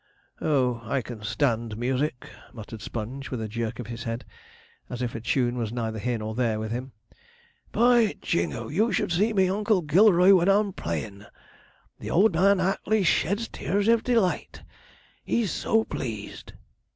'Oh, I can stand music,' muttered Sponge, with a jerk of his head, as if a tune was neither here nor there with him. 'By Jingo! you should see me Oncle Gilroy when a'rm playin'! The old man act'ly sheds tears of delight he's so pleased.'